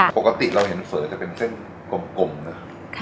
ปกติเราเห็นเฝอจะเป็นเส้นกลมนะครับ